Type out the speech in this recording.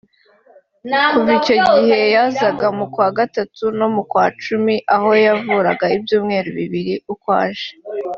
Kuva icyo gihe yazaga mu kwa Gatatu no mu kwa Cumi aho yavuraga ibyumweru bibiri uko aje